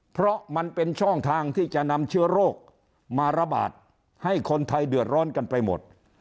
เพราะมันเป็นช่องทางที่จะนำเชื้อโรคมาระบาดให้คนไทยเดือดร้อนกันไปหมด